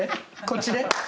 こっちで？